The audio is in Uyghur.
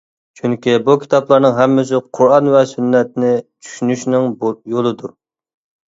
چۈنكى بۇ كىتابلارنىڭ ھەممىسى قۇرئان ۋە سۈننەتنى چۈشىنىشنىڭ يولىدۇر.